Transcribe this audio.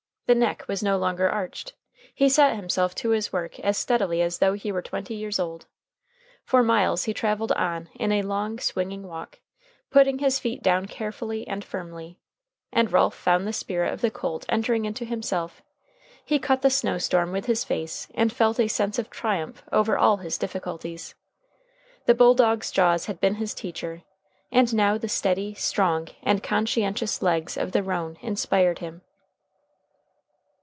The neck was no longer arched. He set himself to his work as steadily as though he were twenty years old. For miles he traveled on in a long, swinging walk, putting his feet down carefully and firmly. And Ralph found the spirit of the colt entering into himself. He cut the snow storm with his face, and felt a sense of triumph over all his difficulties. The bulldog's jaws had been his teacher, and now the steady, strong, and conscientious legs of the roan inspired him.